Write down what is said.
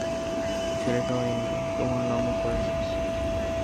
ছেলেটাও এমনি, তোমার নামও করে নি।